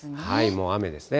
もう雨ですね。